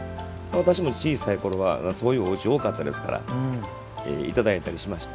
私も小さいころはそういうおうち多かったですからいただいたりしました。